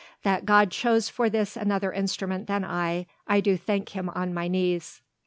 That God chose for this another instrument than I, I do thank Him on my knees."